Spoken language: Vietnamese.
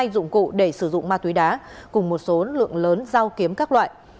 hai dụng cụ để sử dụng ma túy đá cùng một số lượng lớn dao kiếm các loại